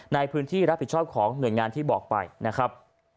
ในพื้นที่รับผิดชอบของหน่วยงานที่บอกไปนะครับ